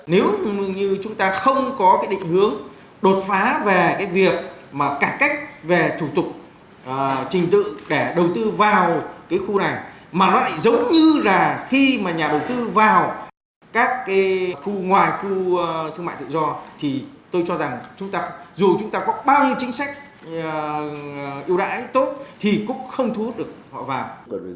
dù chúng ta có bao nhiêu chính sách ưu đãi tốt thì cũng không thu hút được họ vào